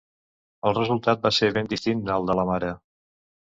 El resultat va ser ben distint al de la mare.